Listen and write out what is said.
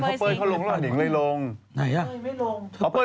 นี่ยังแหรอนี่ไม่เขาอาจจะแบบคุยกันในกรุ๊ปหรือเปล่า